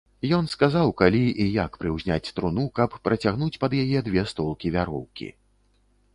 Ён сказаў, калі і як прыўзняць труну, каб працягнуць пад яе дзве столкі вяроўкі.